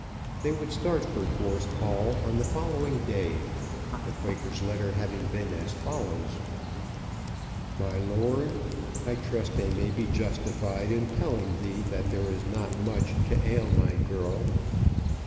They would start for Gorse Hall on the following day, the Quaker's letter having been as follows; MY LORD, I trust I may be justified in telling thee that there is not much to ail my girl.